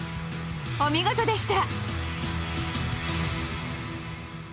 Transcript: お見事でした！